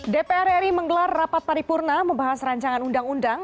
dpr ri menggelar rapat paripurna membahas rancangan undang undang